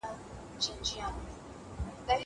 زه له سهاره سبزېجات وچوم!